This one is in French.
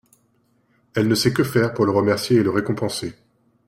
Elle ne sait que faire pour le remercier et le récompenser.